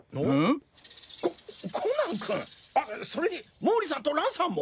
ココナン君それに毛利さんと蘭さんも。